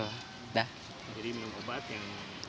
jadi minum obat yang